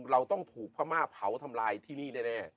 เราต้องถูกพม่าเผาทำลายที่นี่แน่